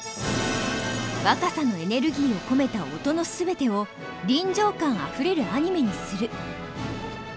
若さのエネルギーを込めた音のすべてを臨場感あふれるアニメにする。